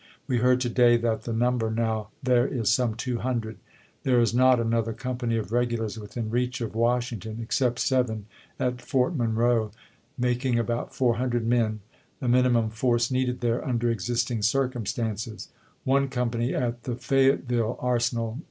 We heard to day that the number now there is some 200. There is not another company of regulars within reach of Wnshingtou, except seven at Fort Monroe, making about 400 men, the minimum force needed there under existing circumstances ; one company at the FayettevUle arsenal, N.